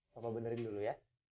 papa benerin dulu ya